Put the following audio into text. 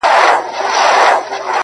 آسمانه ما خو داسي نه ویله!